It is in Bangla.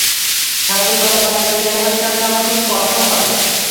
সারা দিন ঘরের বারান্দায় চেয়ারে বসে থাকতে আমার খুব কষ্ট হয়।